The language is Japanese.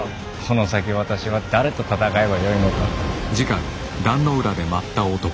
この先私は誰と戦えばよいのか。